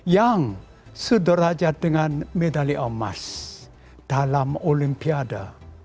yang sederajat dengan medali emas dalam olimpiade